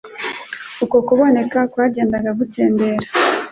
Uko kubonera kwagendaga gukendera